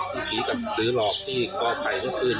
พี่ผีกับซื้อหลอกที่ก่อไปเมื่อคืน